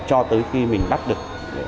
cho tới khi mình bắt được